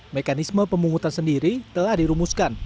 mekanisme pemungutan sendiri telah dirumuskan